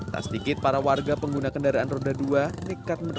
tak sedikit para warga pengguna kendaraan roda dua nekat